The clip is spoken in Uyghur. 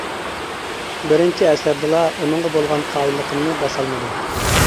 بىرىنچى ئەسەردىلا ئۇنىڭغا بولغان قايىللىقىمنى باسالمىدىم.